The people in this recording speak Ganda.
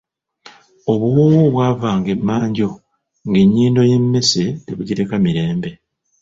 Obuwoowo obw'ava nga emanju ng'ennyindo y'emmesse tebugireka mirembe!